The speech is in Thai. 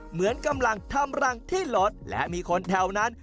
เหมือนกำลังทำรังที่รถและมีคนแถวนั้น